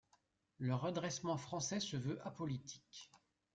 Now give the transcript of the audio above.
Le Redressement français se veut apolitique.